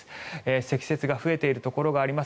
積雪が増えているところがあります。